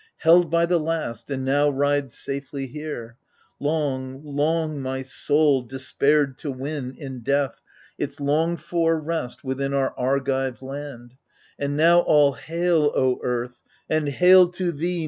Held by the last, and now rides safely here. Long, long my soul despaired to win, in death, Its longed for rest within our Argive land : And now all hail, O earth, and hail to thee.